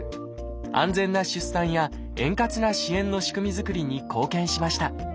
安全な出産や円滑な支援の仕組みづくりに貢献しました。